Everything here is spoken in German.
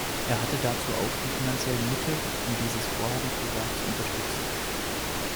Er hatte dazu auch die finanziellen Mittel, um dieses Vorhaben privat zu unterstützen.